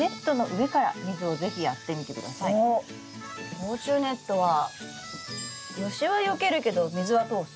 防虫ネットは虫はよけるけど水は通す。